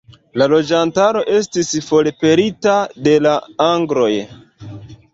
La loĝantaro estis forpelita de la angloj.